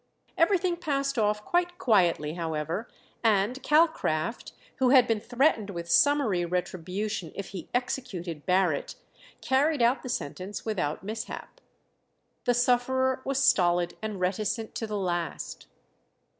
Everything passed off quite quietly, however, and Calcraft, who had been threatened with summary retribution if he executed Barrett, carried out the sentence without mishap. The sufferer was stolid and reticent to the last.